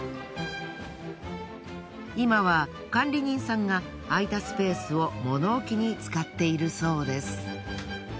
今は管理人さんが空いたスペースを物置に使っているそうです。